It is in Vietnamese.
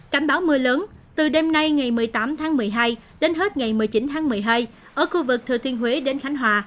cảnh báo mưa lớn từ đêm nay ngày một mươi tám tháng một mươi hai đến hết ngày một mươi chín tháng một mươi hai ở khu vực thừa thiên huế đến khánh hòa